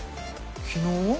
昨日？